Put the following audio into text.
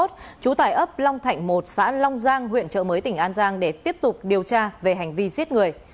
trú tại ấp long thạnh một xã long giang huyện trợ mới tỉnh an giang để tiếp tục điều tra về hành vi giết người